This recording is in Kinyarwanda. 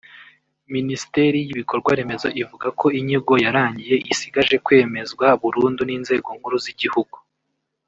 Minisiteri y’ibikorwa remezo ivuga ko inyigo yarangiye isigaje kwemezwa burundu n’inzego nkuru z’igihugu